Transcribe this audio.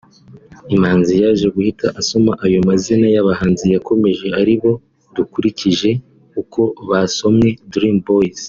Imanzi yaje guhita asoma ayo mazina y’abahanzi bakomeje ari bo-dukurikije uko basomwe-Dream Boyz